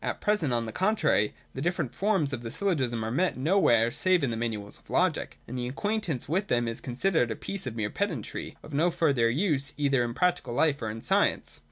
At present, on the contrary, the different forms of the syllogism are met no where save in the manuals of Logic ; and an acquaintance with them is considered a piece of mere pedantry, of no further use either in practical life or in science.